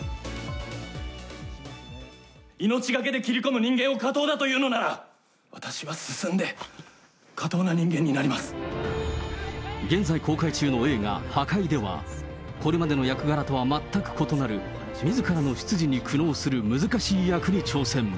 命懸けで切り込む人間を下等だというなら、私は進んで下等な現在公開中の映画、破戒では、これまでの役柄とは全く異なるみずからの出自に苦悩する難しい役に挑戦。